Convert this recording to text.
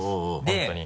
本当に。